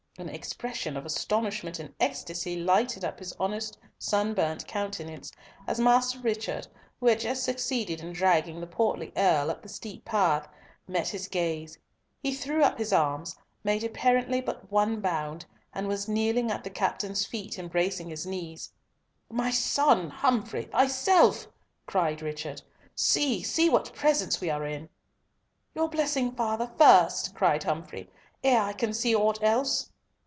An expression of astonishment and ecstasy lighted up his honest sunburnt countenance as Master Richard, who had just succeeded in dragging the portly Earl up the steep path, met his gaze. He threw up his arms, made apparently but one bound, and was kneeling at the captain's feet, embracing his knees. "My son! Humfrey! Thyself!" cried Richard. "See! see what presence we are in." "Your blessing, father, first," cried Humfrey, "ere I can see aught else."